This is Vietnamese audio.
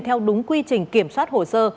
theo đúng quy trình kiểm soát hồ sơ